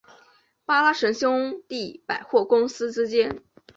巴拉什兄弟百货公司之间。